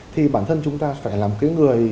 thì bản thân chúng ta phải làm cái người